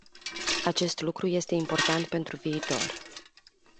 Acest lucru este important pentru viitor.